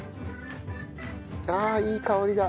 ああいい香りだ。